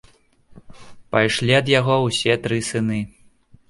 Пайшлі ад яго ўсе тры сыны.